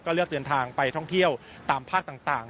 เลือกเดินทางไปท่องเที่ยวตามภาคต่าง